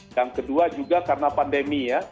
yang kedua juga karena pandemi ya